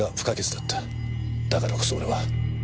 だからこそ俺は。